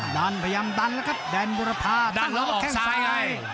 ดันพยายามดันแล้วครับแดนบุรพาดันแล้วก็แข้งซ้าย